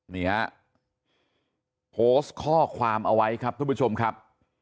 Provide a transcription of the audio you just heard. นี่ฮะโพสต์ข้อความเอาไว้ครับทุกผู้ชมครับ